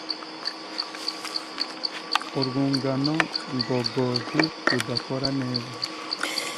urwungano ngogozi rudakora neza